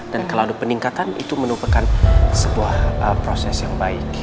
dan kalau ada peningkatan itu menumpukan sebuah proses yang baik